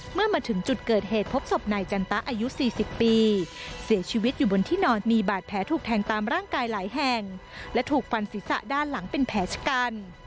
เมื่อมาถึงจุดเกิดเหตุพบศพนายจันตะอายุ๔๐ปีเสียชีวิตอยู่บนที่นอนมีบาดแผลถูกแทงตามร่างกายหลายแห่งและถูกฟันศีรษะด้านหลังเป็นแผลชะกัน